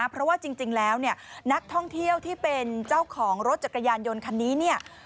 เพราะว่าจริงแล้วเนี่ยนักท่องเที่ยวที่เป็นเจ้าของรถจักรยานยนต์คันนี้เนี่ย